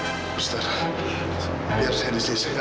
buster biar saya di sini